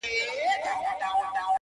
سوال کوم کله دي ژړلي گراني ،